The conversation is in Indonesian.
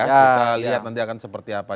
kita lihat nanti akan seperti apa